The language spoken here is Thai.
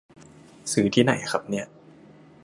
ซื้อที่ไหนครับเนี่ย